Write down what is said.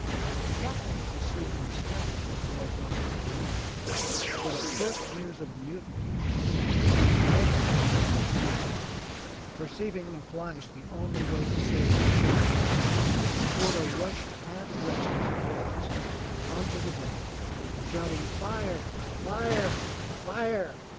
The Captain was asleep in his cabin when the boy broke into the room, but at first news of the mutiny, he was instantly on his feet. Perceiving in a flash the only way to save the ship, Porter rushed, half dressed as he was, onto the deck, shouting, *Tire! Fire! Fire!''